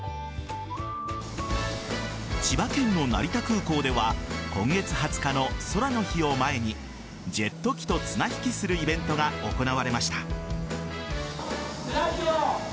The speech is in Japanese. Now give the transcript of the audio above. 千葉県の成田空港では今月２０日の空の日を前にジェット機と綱引きするイベントが行われました。